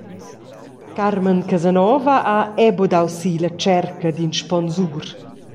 Carmen Casanova ha era buca dau si la tscherca d’in sponsur.